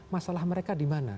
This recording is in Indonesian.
masalah mereka di mana